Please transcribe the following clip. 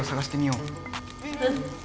うん。